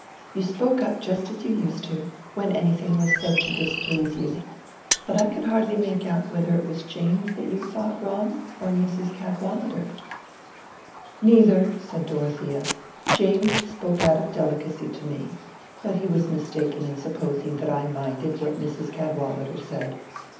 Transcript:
You spoke up just as you used to do, when anything was said to displease you. But I could hardly make out whether it was James that you thought wrong, or Mrs. Cadwallader." "Neither," said Dorothea. "James spoke out of delicacy to me, but he was mistaken in supposing that I minded what Mrs. Cadwallader said.